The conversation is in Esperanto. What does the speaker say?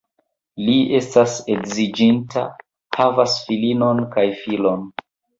Li estas edziĝinta, havas filinon kaj filon.